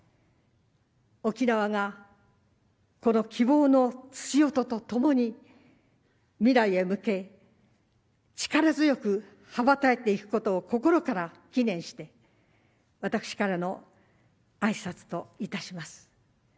沖縄が、この希望のつち音とともに未来へ向け力強く羽ばたいていくことを心から祈念して私からの挨拶といたします。